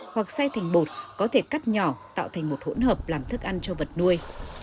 hoặc xay thành bột có thể cắt nhỏ tạo thành một hỗn hợp làm thức ăn cho vật nuôi